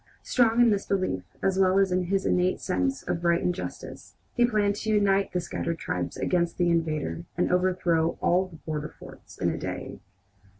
Strong in this belief, as well as in his innate sense of right and justice, he planned to unite the scattered tribes against the invader and overthrow all the border forts in a day.